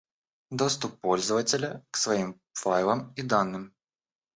Доступ пользователя к своим файлам и данным